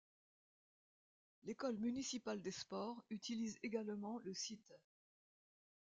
L'école municipale des sports utilise également le site.